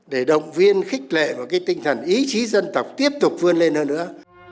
để động viên khích lệ và cái tinh thần ý chí dân tộc tiếp tục vươn lên hơn nữa